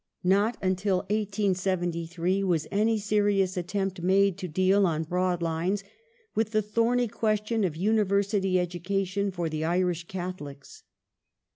Not until 1873 was any serious attempt made to deal, on broad lines, with the thorny question of University education for the Irish Catholics.